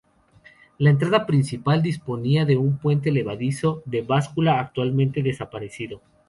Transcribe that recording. La entrada principal disponía de un puente levadizo de tipo báscula, actualmente desaparecido.